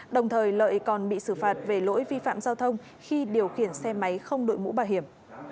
đồng thời lợi còn bị xử phạt về lỗi vi phạm giao thông khi điều khiển xe máy không đội mũ bảo hiểm